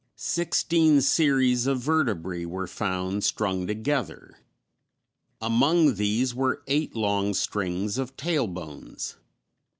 Sixteen series of vertebræ were found strung together; among these were eight long strings of tail bones.